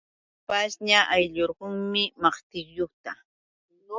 Chay pashña awnirqunmi maqtilluta.